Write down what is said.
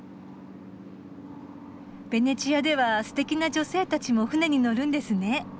ベネチアではすてきな女性たちも舟に乗るんですね。